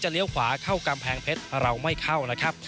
เลี้ยวขวาเข้ากำแพงเพชรเราไม่เข้านะครับ